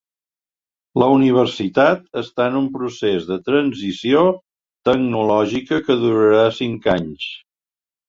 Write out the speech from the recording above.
La universitat està en un procés de transició tecnològica que durarà cinc anys.